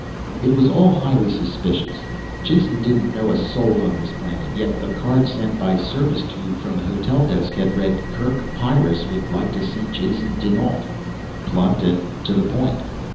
It was all highly suspicious. Jason didn't know a soul on this planet. Yet the card sent by service tube from the hotel desk had read: Kerk Pyrrus would like to see Jason dinAlt. Blunt and to the point.